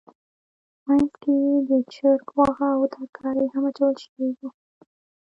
منځ کې یې د چرګ غوښه او ترکاري هم اچول شوې وه.